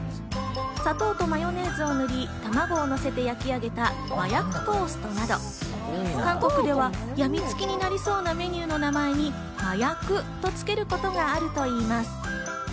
砂糖とマヨネーズを塗り、たまごをのせて焼き上げた麻薬トーストなど、韓国では病みつきになりそうなメニューの名前に麻薬とつけることがあるといいます。